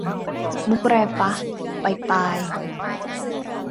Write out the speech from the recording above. มุขไรฟะ ? ไปตาย